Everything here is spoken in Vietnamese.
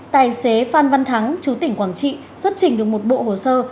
tài xế phan văn thắng chú tỉnh quảng trị xuất trình được một bộ hồ sơ